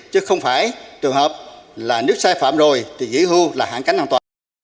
chứ không phải trường hợp là nước sai phạm rồi thì kỷ hưu là hạn cánh an toàn